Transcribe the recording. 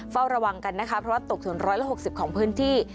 เฝ้าระวังกันนะคะเพราะว่าตกถึง๑๖๐ของพื้นที่